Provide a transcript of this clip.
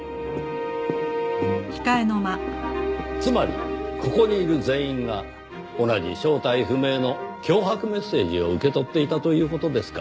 つまりここにいる全員が同じ正体不明の脅迫メッセージを受け取っていたという事ですか。